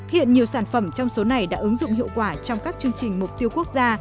hiện nhiều sản phẩm trong số này đã ứng dụng hiệu quả trong các chương trình mục tiêu quốc gia